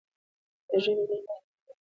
د ژبي ارزښت باید ټولو ته روښانه سي.